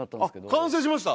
完成しました？